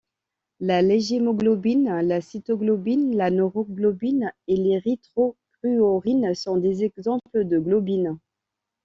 La léghémoglobine, la cytoglobine, la neuroglobine et l'érythrocruorine sont des exemples de globines.